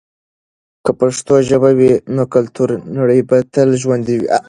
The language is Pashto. که پښتو ژبه وي، نو کلتوري نړی به تل ژوندي وي.